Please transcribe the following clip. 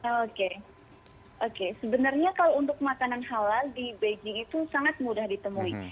oke sebenarnya kalau untuk makanan halal di beijing itu sangat mudah ditemui